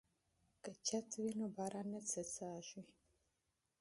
که چت وي نو باران نه څڅیږي.